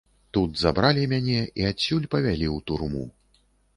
Тут забралі мяне і адсюль павялі ў турму.